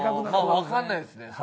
わかんないですね